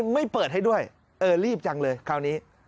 ไม่เปิดให้ด้วยเออรีบจังเลยคราวนี้